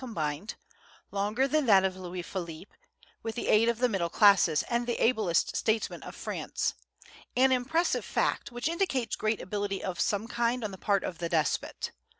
combined; longer than that of Louis Philippe, with the aid of the middle classes and the ablest statesmen of France, an impressive fact, which indicates great ability of some kind on the part of the despot.